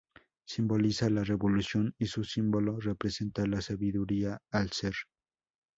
Simboliza la revolución y su símbolo representa la sabiduría al ser.